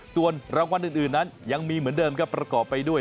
ส่วนรางวัลอื่นนั้นยังมีเหมือนเดิมครับประกอบไปด้วย